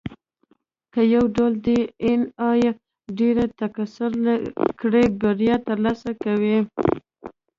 که یو ډول ډېایناې ډېره تکثر کړي، بریا ترلاسه کوي.